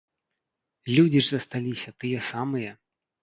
Людзі ж засталіся тыя самыя!